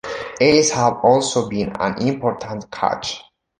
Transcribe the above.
Eels have also been an important catch.